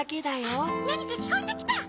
・あっなにかきこえてきた！